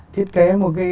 thiết kế một cái